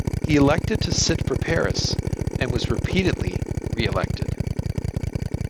He elected to sit for Paris, and was repeatedly re-elected.